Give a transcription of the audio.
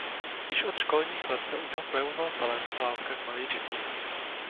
Již od školních let se u něho projevoval talent a láska k malířství.